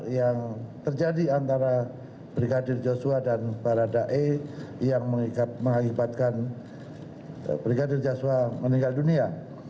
yang terjadi antara brigadir joshua dan baradae yang mengakibatkan brigadir joshua meninggal dunia